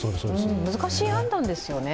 難しい判断ですよね。